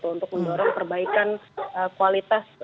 untuk mendorong perbaikan kualitas